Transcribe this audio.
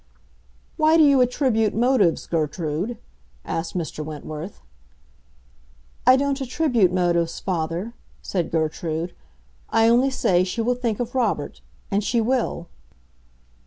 "Why do you attribute motives, Gertrude?" asked Mr. Wentworth. "I don't attribute motives, father," said Gertrude. "I only say she will think of Robert; and she will!"